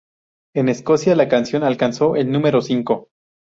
En Escocia, la canción alcanzó el número cinco.